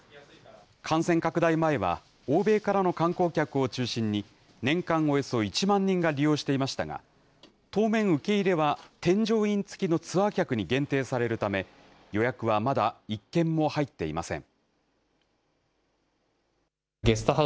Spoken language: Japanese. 感染拡大前は欧米からの観光客を中心に、年間およそ１万人が利用していましたが、当面受け入れは添乗員付きのツアー客に限定されるため、予約はまだ１件も入っていません。